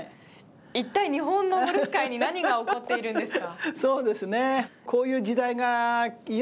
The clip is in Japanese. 一体、日本のゴルフ界に何が起こってるんですか。